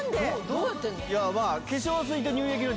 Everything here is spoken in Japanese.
どうやってんの？